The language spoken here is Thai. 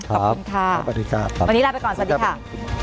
ขอบคุณค่ะวันนี้ลาไปก่อนสวัสดีค่ะ